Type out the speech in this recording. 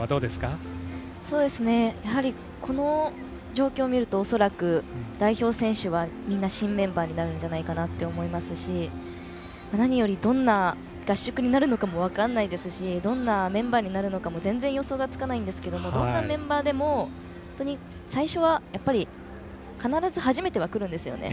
やはり、この状況を見ると恐らく代表選手はみんな、新メンバーになるんじゃないかなと思いますし何より、どんな合宿になるのかも分からないですしどんなメンバーになるのかも全然予想がつかないんですけどもどんなメンバーでも、最初は必ず初めてはくるんですよね。